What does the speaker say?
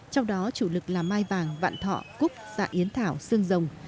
trong đó chủ lực là mai vàng vạn thọ cúc dạ yến thảo xương rồng